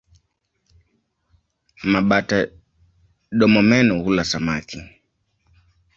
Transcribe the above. Mabata-domomeno hula samaki.